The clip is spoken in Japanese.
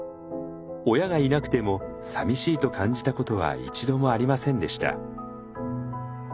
親がいなくてもさみしいと感じたことは一度もありませんでした。